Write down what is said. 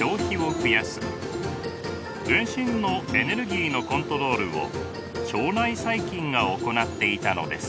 全身のエネルギーのコントロールを腸内細菌が行っていたのです。